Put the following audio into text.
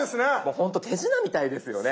ほんと手品みたいですよね。